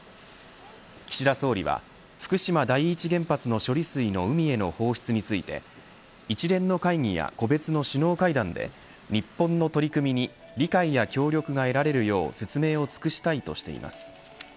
岸田総理は福島第一原発の処理水の海への放出について一連の会議や個別の首脳会談で日本の取り組みに理解や協力が得られるよう説明を尽くしたいとしています。